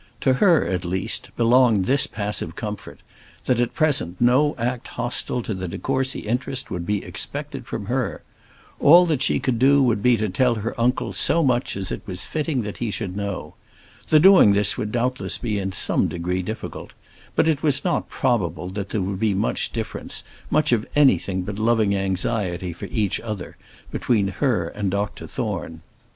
To her at least belonged this passive comfort, that at present no act hostile to the de Courcy interest would be expected from her. All that she could do would be to tell her uncle so much as it was fitting that he should know. The doing this would doubtless be in some degree difficult; but it was not probable that there would be much difference, much of anything but loving anxiety for each other, between her and Dr Thorne.